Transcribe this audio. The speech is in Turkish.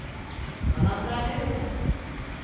Anahtar nerede?